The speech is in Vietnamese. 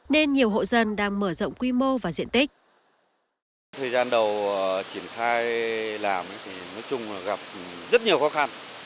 nên nhiều hộ dân đang mở rộng quy mô và diện tích